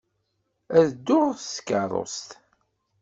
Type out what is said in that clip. Ad dduɣ s tkeṛṛust.